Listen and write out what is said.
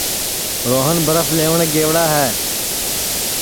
روہن برپھ لئوٹؔے گئوڑا ہے